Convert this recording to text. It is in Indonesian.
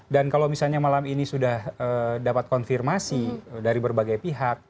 dan kalau misalnya malam ini sudah dapat konfirmasi dari berbagai pihak